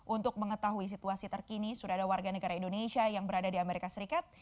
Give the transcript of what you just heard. untuk mengetahui situasi terkini sudah ada warga negara indonesia yang berada di amerika serikat